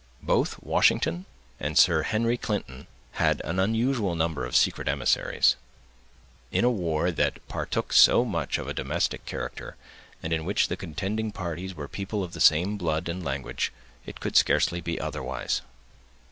Both Washington and Sir Henry Clinton had an unusual number of secret emissaries; in a war that partook so much of a domestic character, and in which the contending parties were people of the same blood and language, it could scarcely be otherwise.